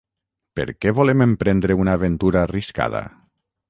Per què volem emprendre una aventura arriscada?